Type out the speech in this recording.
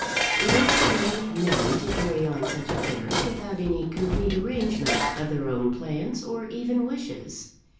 It is the way of men to carry on such affairs without any complete arrangement of their own plans or even wishes.